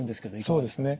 そうですね